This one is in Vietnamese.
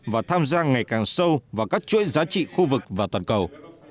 và tham gia ngày càng sâu vào các chuỗi giá trị khu vực và toàn cầu